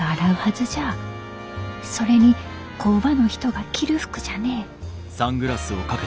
それに工場の人が着る服じゃねえ。